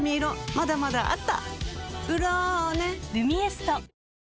まだまだあった！